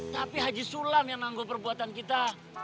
tapi haji sulam yang menanggung perbuatan kita